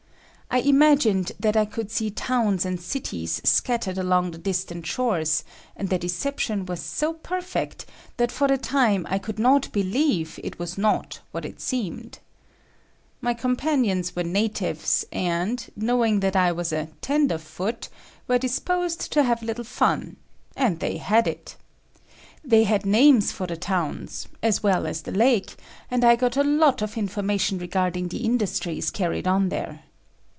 I imagined that I could see towns and cities scattered along the distant shores, and the deception was so perfect that for the time I could not i . Original from UNIVERSITY OF WISCONSIN 200 Haturc'a fliiracles. believe it was not what it seemed. My com panions were natives, and, knowing that I was a "tenderfoot," were disposed to have a little fun; and they had it. They had names for the towns, as well as the lake, and I got a lot of information regarding the industries carried on there.